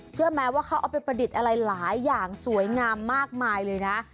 เชื่อไหมว่าเขาเอาไปประดิษฐ์อะไรหลายอย่างสวยงามมากมายเลยนะ